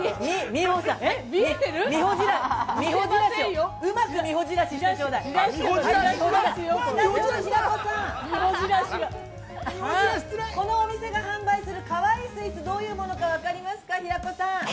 美穂じらし、このお店が、販売する、かわいいスイーツ、どういうものか分かりますか、平子さん。